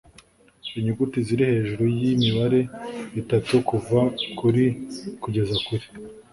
Inyuguti ziri hejuru y imibare itatu kuva kuri kugeza kuri